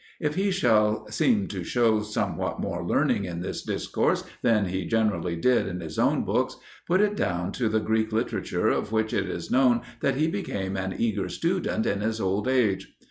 If he shall seem to shew somewhat more learning in this discourse than he generally did in his own books, put it down to the Greek literature of which it is known that he became an eager student in his old age.